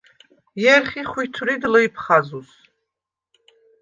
ჲერხი ხვითვრიდ ლჷჲფხაზუს.